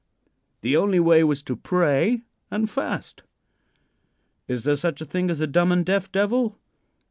The only way was to pray and fast. Is there such a thing as a dumb and deaf devil?